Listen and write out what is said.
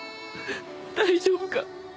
大丈夫か？